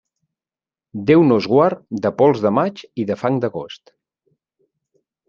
Déu nos guard de pols de maig i de fang d'agost.